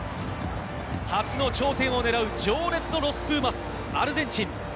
初の頂点を狙う情熱のロス・プーマス、アルゼンチン。